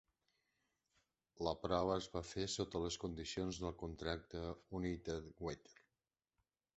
La prova es va fer sota les condicions del contracte United Water.